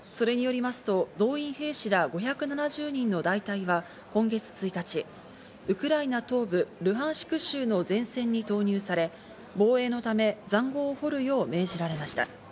それによりますと動員兵士ら５７０人の大隊は今月１日、ウクライナ東部ルハンシク州の前線に投入され、防衛のため塹壕を掘るよう命じられました。